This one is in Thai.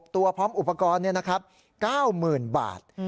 ๖ตัวพร้อมอุปกรณ์เนี่ยนะครับ๙๐๐๐๐บาท